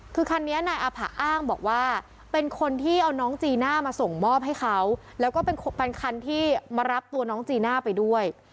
คือคันนี้นายอาผะอ้างบอกว่าเป็นคนที่เอาน้องจีน่ามาส่งมอบให้เขาแล้วก็เป็นคันที่มารับตัวน้องจีน่าไปด้วย